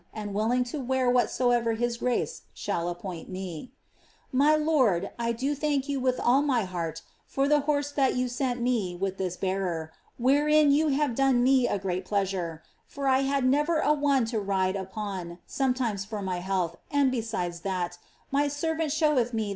and willing to wear what50> ever his grace *hail ni)i>oint inc. '* My lord, I do thank you with all my heart for the horse that rou sent rce with this bearer, wherein you have done me a great pleasure; for I had nfter a one to ride upon sometimes for my health, and besides that, my serwit * MS.